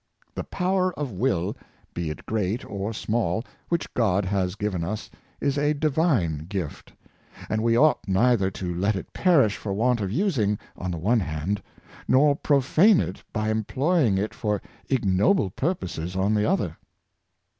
The power of will, be it great or small, which God has given us, is a Divine gift; and we ought neither to let it perish for want of using, on the one hand, nor profane it by employing it for ignoble purposes, on the other.